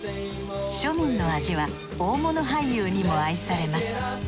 庶民の味は大物俳優にも愛されます。